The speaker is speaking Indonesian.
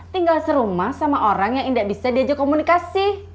tinggal serumah sama orang yang tidak bisa diajak komunikasi